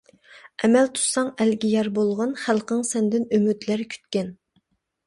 ئەمەل تۇتساڭ ئەلگە يار بولغىن، خەلقىڭ سەندىن ئۈمىدلەر كۈتكەن.